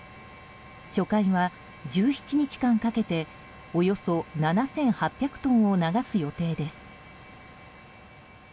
初回は１７日間かけておよそ７８００トンを流す予定です。